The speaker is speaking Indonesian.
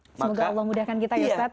semoga allah mudahkan kita ustadz